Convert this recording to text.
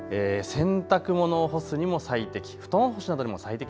洗濯物を干すにも最適。